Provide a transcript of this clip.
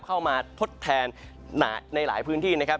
เข้ามาทดแทนหนาในหลายพื้นที่นะครับ